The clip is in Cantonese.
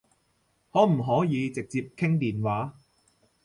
可唔可以直接傾電話？